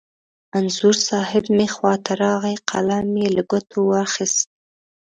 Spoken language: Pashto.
انځور صاحب مې خوا ته راغی، قلم یې له ګوتو واخست.